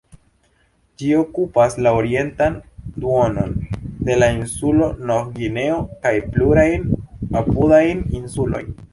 Ĝi okupas la orientan duonon de la insulo Nov-Gvineo kaj plurajn apudajn insulojn.